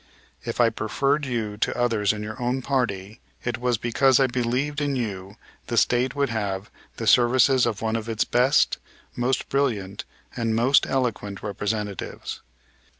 If I preferred you to others in your own party it was because I believed in you the State would have the services of one of its best, most brilliant and most eloquent representatives.